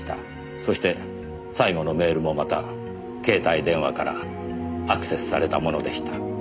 そして最後のメールもまた携帯電話からアクセスされたものでした。